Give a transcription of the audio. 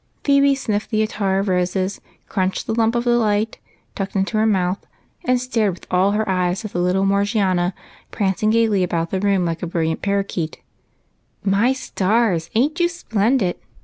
" Phebe sniffed attar of rose, crunched the " Lump of Delight " tucked into her mouth, and stared with all her eyes at little Morgiana prancing about the room like a brilliant paroquet. 5Q EIGHT COUSINS. "My stars, ain't you sj^lendid